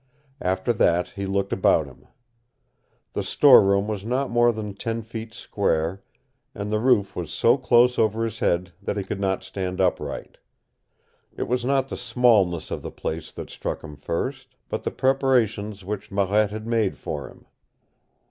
After that he looked about him. The storeroom was not more than ten feet square, and the roof was so close over his head that he could not stand upright. It was not the smallness of the place that struck him first, but the preparations which Marette had made for him.